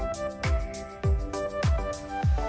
ini adalah nasi bakar sarden ala chef rizal